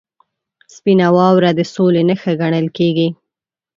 • سپینه واوره د سولې نښه ګڼل کېږي.